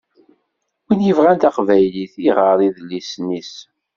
Win yebɣan taqbaylit, iɣeṛ idlisen-is.